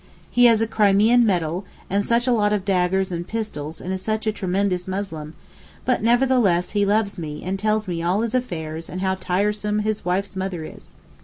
He has a Crimean medal and such a lot of daggers and pistols and is such a tremendous Muslim, but never the less he loves me and tells me all his affairs and how tiresome his wife's mother is.